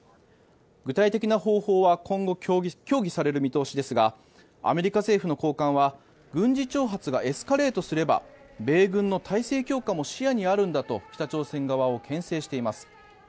具体的な方法は今後、協議される見通しですがアメリカ政府の高官は軍事挑発がエスカレートすれば米軍の態勢強化も視野にあるんだと北朝鮮側をけん制しています。